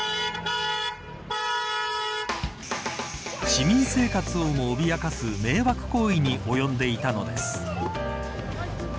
市民生活をも脅かす迷惑行為に及んでいたのです。